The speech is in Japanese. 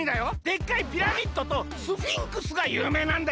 でっかいピラミッドとスフィンクスがゆうめいなんだよ。